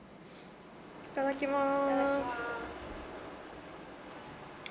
いただきます。